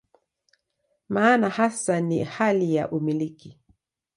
Maana hasa ni hali ya "umiliki".